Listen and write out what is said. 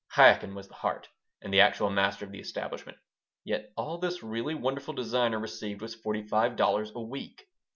Chaikin was the heart and the actual master of the establishment. Yet all this really wonderful designer received was forty five dollars a week.